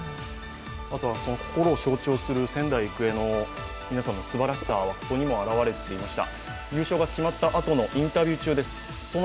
あとは心を象徴する仙台育英の皆さんのすばらしさはここにも表れていました。